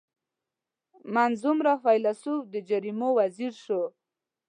• منځ عمره فېلېسوف د جرایمو وزیر شو.